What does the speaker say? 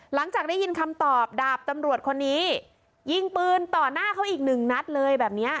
หลังจากได้ยินคำตอบดาบตำรวจคนนี้ยิงปืนต่อหน้าเขาอีกหนึ่งนัดเลยแบบเนี้ย